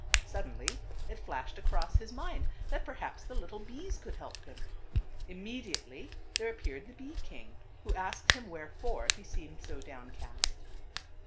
Suddenly it flashed across his mind that perhaps the of ^ little bees could help him. Immedi ately there appeared the bee king, who asked him wherefore he seemed so downcast.